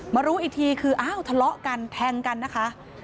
รู้อีกทีคืออ้าวทะเลาะกันแทงกันนะคะ